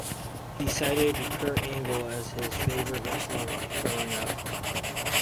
He cited Kurt Angle as his favorite wrestler growing up.